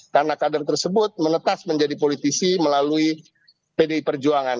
karena kader tersebut menetas menjadi politisi melalui pdi perjuangan